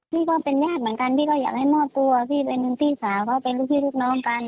ก็เป็นญาติเหมือนกันพี่ก็อยากให้มอบตัวพี่เป็นพี่สาวเขาเป็นลูกพี่ลูกน้องกัน